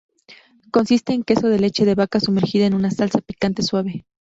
Consiste en queso de leche de vaca sumergida en una salsa picante suave.